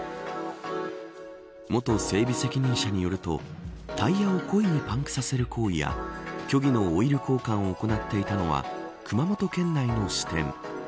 元整備責任者によるとタイヤを故意にパンクさせる行為や虚偽のオイル交換を行っていたのは熊本県内の支店。